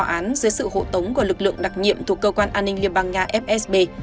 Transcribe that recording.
tòa án dưới sự hộ tống của lực lượng đặc nhiệm thuộc cơ quan an ninh liên bang nga fsb